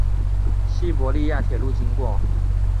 西伯利亚铁路经过。